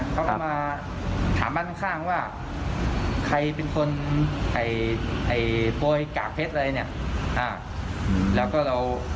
เขาก็มาถามบ้านข้างว่าใครเป็นคนปล่อยกาเพชรอะไรอย่างนี้